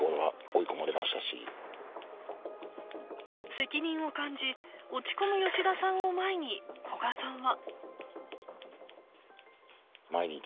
責任を感じ落ち込む吉田さんを前に古賀さんは